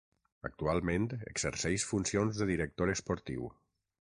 Actualment exerceix funcions de director esportiu.